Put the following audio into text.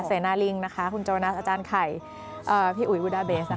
เสนาลิงนะคะคุณโจนัสอาจารย์ไข่พี่อุ๋ยวุดาเบส